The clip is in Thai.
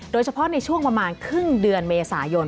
โดยเฉพาะในช่วงประมาณครึ่งเดือนเมษายน